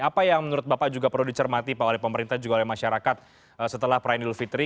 apa yang menurut bapak juga perlu dicermati pak oleh pemerintah juga oleh masyarakat setelah perayaan idul fitri